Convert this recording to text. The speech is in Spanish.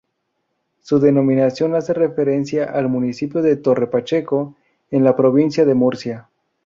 Su denominación hace referencia al municipio de Torre-Pacheco en la provincia de Murcia.